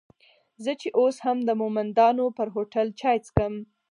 زه چې اوس هم د مومندانو پر هوټل چای څکم.